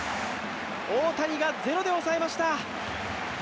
大谷が０で抑えました。